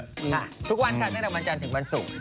ได้ได้ครับทุกวันมาจำถึงวันศุกร์